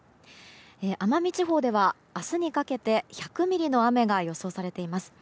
奄美地方では明日にかけて１００ミリの雨が予想されています。